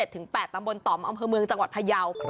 ๘ตำบลต่อมอำเภอเมืองจังหวัดพยาว